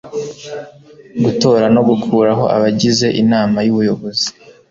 gutora no gukuraho abagize inama y'ubuyobozi